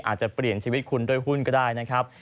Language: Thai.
อาจจะเปลี่ยนชีวิตคุณด้วยหุ้นก็ได้นะครับ